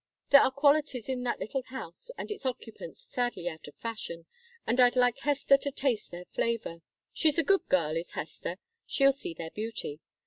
"There are qualities in that little house and its occupants sadly out of fashion, and I'd like Hester to taste their flavor. She's a good girl, is Hester; she'll see their beauty.